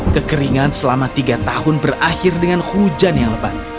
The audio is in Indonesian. kekeringan selama tiga tahun berakhir dengan hujan yang lebat